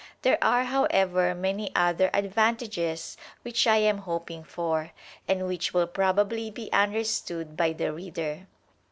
There are, however, many other advantages which I am hoping for, and which will probably be understood by the reader.